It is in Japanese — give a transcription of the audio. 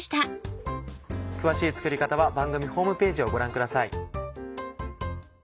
詳しい作り方は番組ホームページをご覧ください。